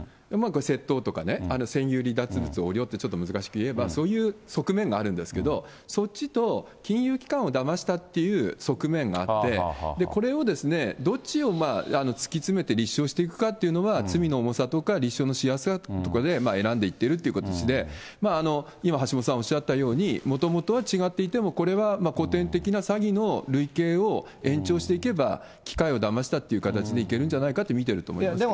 窃盗とかね、占有離脱物横領って、ちょっと難しく言えば、そういう側面があるんですけど、そっちと金融機関をだましたっていう側面があって、これをどっちを突き詰めて立証していくかっていうのは、罪の重さとか立証のしやすさとかで選んでいってるっていう形で、今、橋下さんがおっしゃったように、もともとは違っていても、これは古典的な詐欺の類型を延長していけば、機械をだましたという形でいけるんじゃないかと見てると思いますね。